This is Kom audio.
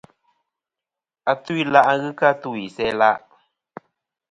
Atu-ila' ghɨ kɨ a tu isæa-la'.